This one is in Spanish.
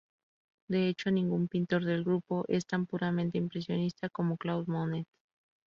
De hecho, ningún pintor del grupo es tan puramente impresionista como Claude Monet.